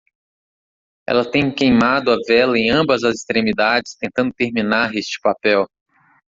Ela tem queimado a vela em ambas as extremidades tentando terminar este papel.